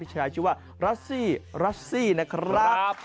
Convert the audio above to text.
ผู้ชายชื่อว่ารัสซี่นะครับ